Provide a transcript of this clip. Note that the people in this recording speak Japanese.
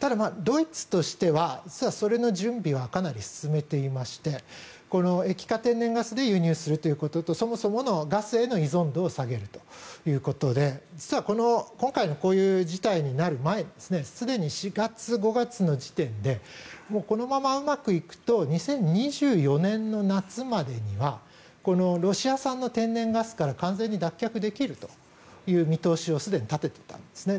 ただ、ドイツとしては実はその準備はかなり進めていましてこの液化天然ガスで輸入するということとそもそものガスへの依存度を下げるということで実は今回のこういう事態になる前にすでに４月、５月の時点でこのままうまくいくと２０２４年の夏までにはロシア産の天然ガスから完全に脱却できるという見通しをすでに立てていたんですね。